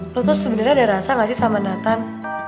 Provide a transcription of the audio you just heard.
lo tau sebenernya ada rasa gak sih sama nathan